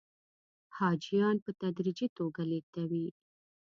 حاجیان په تدریجي توګه لېږدوي.